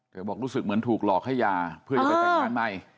บอกรู้สึกเหมือนถูกหลอกให้ยาเพื่อจะไปแต่งงานใหม่